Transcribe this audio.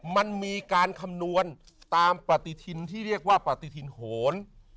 มันมีการคำนวณตามปฏิทินที่เรียกว่าปฏิทินโหน